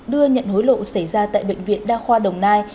đưa nhận hối lộ xảy ra tại bệnh viện đa khoa đồng nai